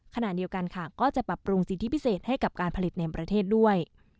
ขณะเดียวกันค่ะก็จะปรับปรุงสิทธิพิเศษให้กับการผลิตในประเทศด้วย